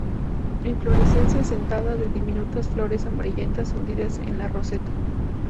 Inflorescencia sentada de diminutas flores amarillentas hundidas en la roseta.